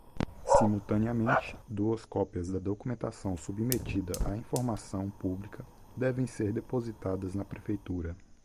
Simultaneamente, duas cópias da documentação submetida à informação pública devem ser depositadas na Prefeitura.